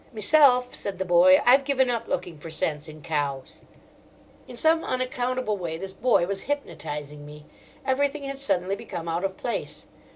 "Meself," said the boy, "I've given up looking for sense in cows." In some unaccountable way this boy was hypnotising me. Everything had suddenly become out of place.